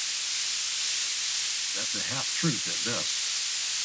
That's a half-truth at best.